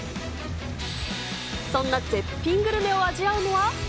そんな絶品グルメを味わうのは。